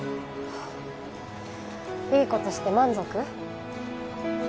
いい事して満足？